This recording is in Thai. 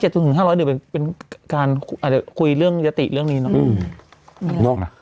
แต่ว่าช่วง๔๙๗ถึง๕๐๑เป็นการคุยเรื่องยติเรื่องนี้เนาะ